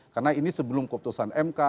karena ini sebelum keputusan mk